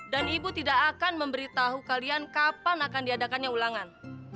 dan ibu tidak akan memberitahu kalian kapan akan diadakannya ulangan